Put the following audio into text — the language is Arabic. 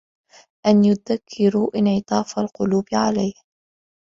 أَنْ يَذْكُرَ انْعِطَافَ الْقُلُوبِ عَلَيْهِ